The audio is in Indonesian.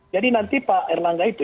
jadi nanti pak erlangga itu